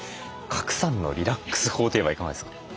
賀来さんのリラックス法といえばいかがですか？